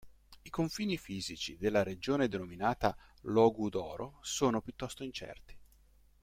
I confini fisici della regione denominata Logudoro sono piuttosto incerti.